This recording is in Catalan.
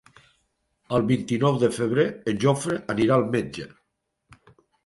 El vint-i-nou de febrer en Jofre anirà al metge.